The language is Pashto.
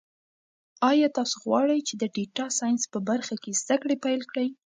ایا تاسو غواړئ چې د ډیټا ساینس په برخه کې زده کړې پیل کړئ؟